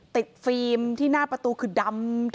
ฟิล์มที่หน้าประตูคือดำ